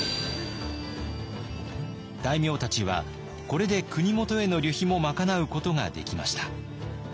大名たちはこれで国元への旅費も賄うことができました。